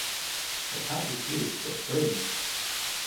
The party fused with Green!